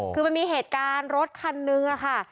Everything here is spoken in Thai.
คือมันมีเหตุการณ์รถคันนึงค่ะ